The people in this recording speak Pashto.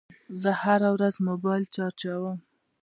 زه هره ورځ موبایل چارجوم.